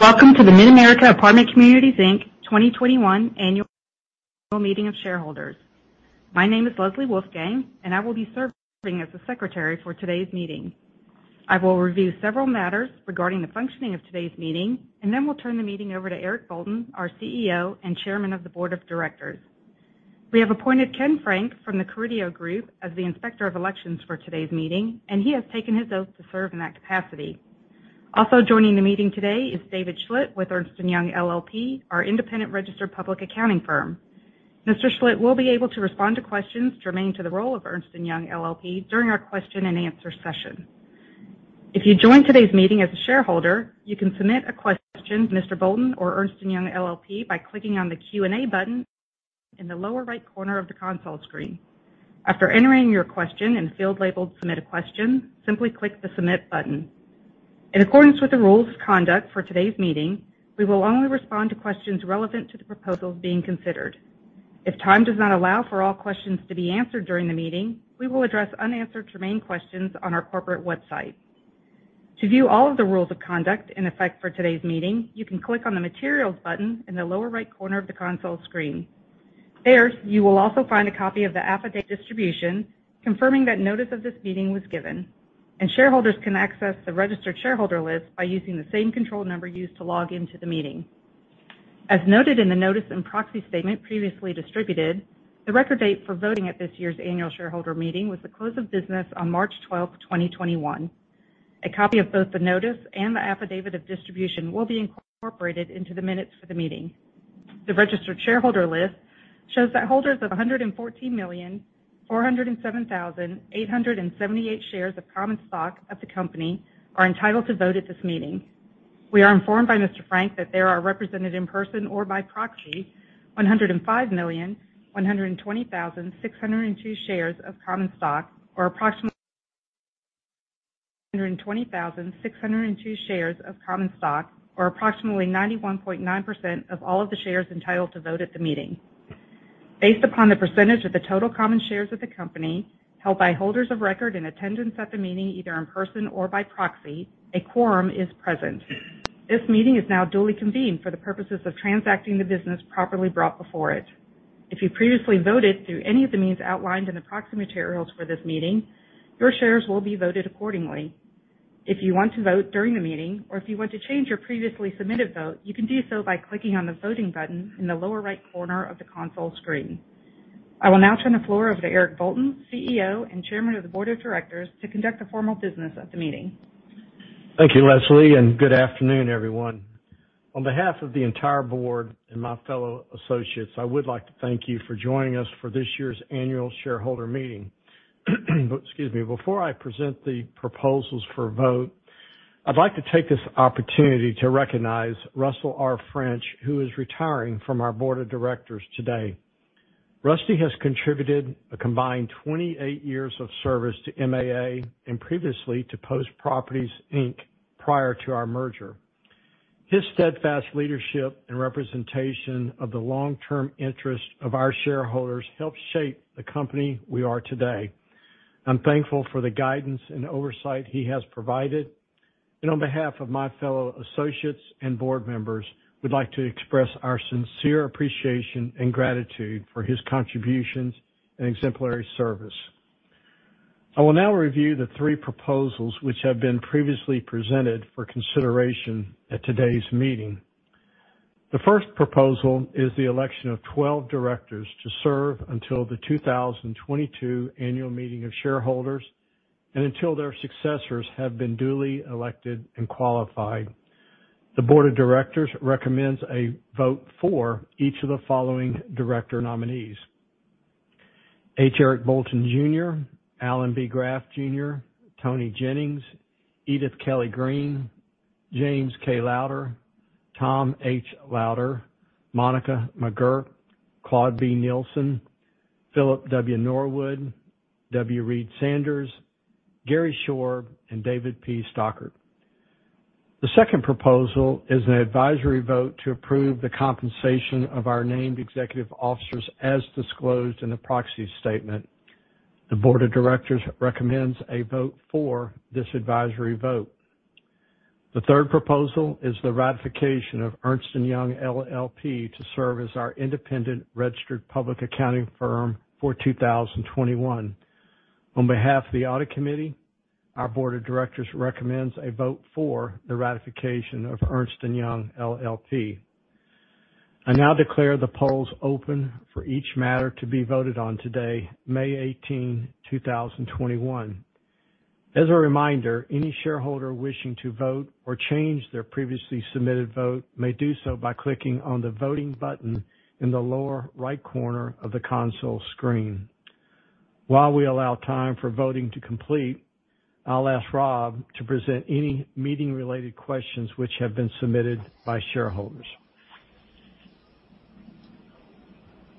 Welcome to the mid-amErica Apartment Communities, Inc. 2021 Annual Meeting of Shareholders. My name is Leslie Wolfgang, and I will be serving as the secretary for today's meeting. I will review several matters regarding the functioning of today's meeting, and then we'll turn the meeting over to Eric Bolton, our CEO and Chairman of the Board of Directors. We have appointed Tony Carideo from The Carideo Group Inc. as the Inspector of Elections for today's meeting, and he has taken his oath to serve in that capacity. Also joining the meeting today is David Schlitt with Ernst & Young LLP, our independent registered public accounting firm. Mr. Schlitt will be able to respond to questions germane to the role of Ernst & Young LLP during our question and answer session. If you joined today's meeting as a shareholder, you can submit a question to Mr. Bolton or Ernst & Young LLP by clicking on the Q&A button in the lower right corner of the console screen. After entering your question in the field labeled Submit a Question, simply click the Submit button. In accordance with the rules of conduct for today's meeting, we will only respond to questions relevant to the proposals being considered. If time does not allow for all questions to be answered during the meeting, we will address unanswered germane questions on our corporate website. To view all of the rules of conduct in effect for today's meeting, you can click on the Materials button in the lower right corner of the console screen. There, you will also find a copy of the affidavit of distribution, confirming that notice of this meeting was given, and shareholders can access the registered shareholder list by using the same control number used to log into the meeting. As noted in the notice and proxy statement previously distributed, the record date for voting at this year's Annual Meeting of Shareholders was the close of business on March 12, 2021. A copy of both the notice and the affidavit of distribution will be incorporated into the minutes for the meeting. The registered shareholder list shows that holders of 114,407,878 shares of common stock of the company are entitled to vote at this meeting. We are informed by Mr. Carideo that there are represented in person or by proxy 105,120,602 shares of common stock, or approximately 91.9% of all of the shares entitled to vote at the meeting. Based upon the percentage of the total common shares of the company held by holders of record in attendance at the meeting, either in person or by proxy, a quorum is present. This meeting is now duly convened for the purposes of transacting the business properly brought before it. If you previously voted through any of the means outlined in the proxy materials for this meeting, your shares will be voted accordingly. If you want to vote during the meeting, or if you want to change your previously submitted vote, you can do so by clicking on the Voting button in the lower right corner of the console screen. I will now turn the floor over to Eric Bolton, CEO and Chairman of the Board of Directors, to conduct the formal business of the meeting. Thank you, Leslie. Good afternoon, everyone. On behalf of the entire board and my fellow associates, I would like to thank you for joining us for this year's annual shareholder meeting. Excuse me. Before I present the proposals for a vote, I'd like to take this opportunity to recognize Russell R. French, who is retiring from our board of directors today. Rusty has contributed a combined 28 years of service to MAA and previously to Post Properties, Inc. prior to our merger. His steadfast leadership and representation of the long-term interests of our shareholders helped shape the company we are today. I'm thankful for the guidance and oversight he has provided, and on behalf of my fellow associates and board members, we'd like to express our sincere appreciation and gratitude for his contributions and exemplary service. I will now review the three proposals which have been previously presented for consideration at today's meeting. The first proposal is the election of 12 directors to serve until the 2022 Annual Meeting of Shareholders and until their successors have been duly elected and qualified. The board of directors recommends a vote for each of the following director nominees: H. Eric Bolton Jr., Alan B. Graf Jr., Toni Jennings, Edith Kelly-Green, James K. Lowder, Thomas H. Lowder, Monica McGurk, Claude B. Nielsen, Philip W. Norwood, W. Reid Sanders, Gary S. Shorb, and David P. Stockert. The second proposal is an advisory vote to approve the compensation of our named executive officers as disclosed in the proxy statement. The board of directors recommends a vote for this advisory vote. The third proposal is the ratification of Ernst & Young LLP to serve as our independent registered public accounting firm for 2021. On behalf of the audit committee, our board of directors recommends a vote for the ratification of Ernst & Young LLP. I now declare the polls open for each matter to be voted on today, May 18, 2021. As a reminder, any shareholder wishing to vote or change their previously submitted vote may do so by clicking on the Voting button in the lower right corner of the console screen. While we allow time for voting to complete, I'll ask Rob to present any meeting-related questions which have been submitted by shareholders.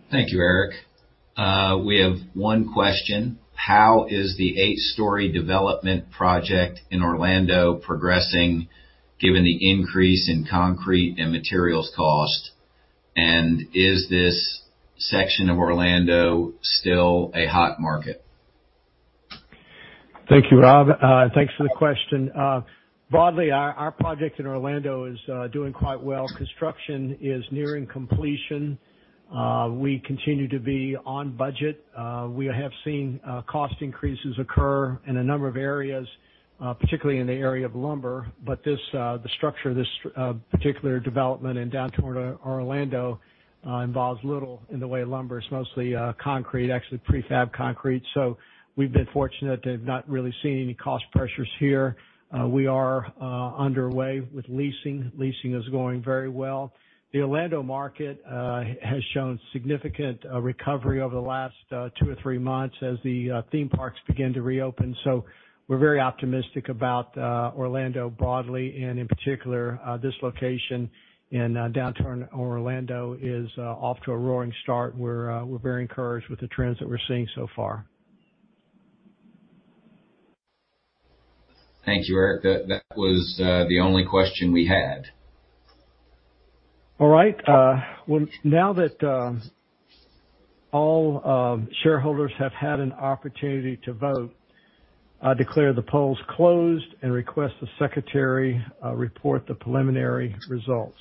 Thank you, Eric. We have one question. How is the eight-story development project in Orlando progressing given the increase in concrete and materials cost, and is this section of Orlando still a hot market? Thank you, Rob. Thanks for the question. Broadly, our project in Orlando is doing quite well. Construction is nearing completion. We continue to be on budget. We have seen cost increases occur in a number of areas, particularly in the area of lumber. The structure of this particular development in downtown Orlando involves little in the way of lumber. It's mostly concrete, actually prefab concrete. We've been fortunate to have not really seen any cost pressures here. We are underway with leasing. Leasing is going very well. The Orlando market has shown significant recovery over the last two or three months as the theme parks begin to reopen. We're very optimistic about Orlando broadly, and in particular, this location in downtown Orlando is off to a roaring start. We're very encouraged with the trends that we're seeing so far. Thank you, Eric. That was the only question we had. All right. Now that all shareholders have had an opportunity to vote, I declare the polls closed and request the secretary report the preliminary results.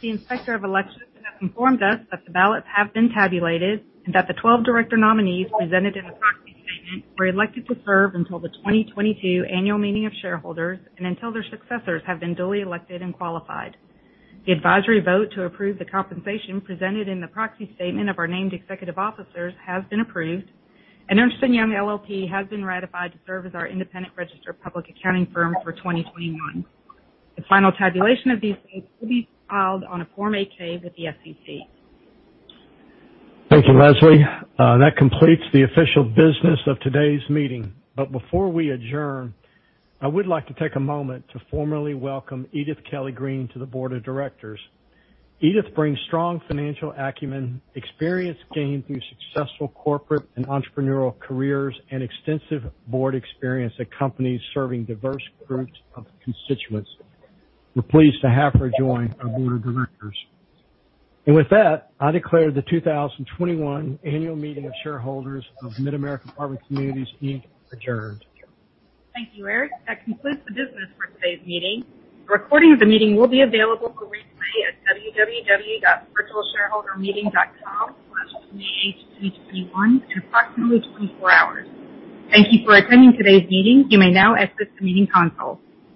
The Inspector of Elections has informed us that the ballots have been tabulated and that the 12 director nominees presented in the proxy statement were elected to serve until the 2022 Annual Meeting of Shareholders and until their successors have been duly elected and qualified. The advisory vote to approve the compensation presented in the proxy statement of our named executive officers has been approved. Ernst & Young LLP has been ratified to serve as our independent registered public accounting firm for 2021. The final tabulation of these will be filed on a Form 8-K with the SEC. Thank you, Leslie. That completes the official business of today's meeting. Before we adjourn, I would like to take a moment to formally welcome Edith Kelly-Green to the board of directors. Edith brings strong financial acumen, experience gained through successful corporate and entrepreneurial careers, and extensive board experience at companies serving diverse groups of constituents. We're pleased to have her join our board of directors. With that, I declare the 2021 Annual Meeting of Shareholders of mid-amErica Apartment Communities, Inc. adjourned. Thank you, Eric. That concludes the business for today's meeting. A recording of the meeting will be available for replay at www.virtualshareholdermeeting.com/maa2021 in approximately 24 hours. Thank you for attending today's meeting. You may now exit the meeting console.